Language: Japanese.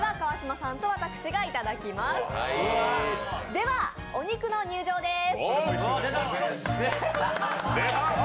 では、お肉の入場です！